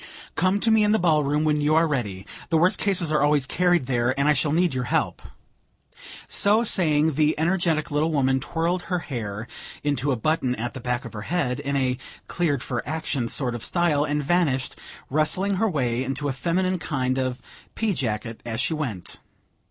Come to me in the ball room when you are ready; the worst cases are always carried there, and I shall need your help." So saying, the energetic little woman twirled her hair into a button at the back of her head, in a "cleared for action" sort of style, and vanished, wrestling her way into a feminine kind of pea jacket as she went.